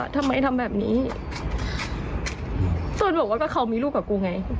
ทำไมทำแบบนี้ส่วนบอกว่าก็เขามีลูกกับกูไง